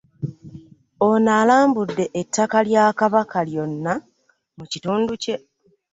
Ono alambudde ettaka lya Kabaka lyonna mu kitundu kye.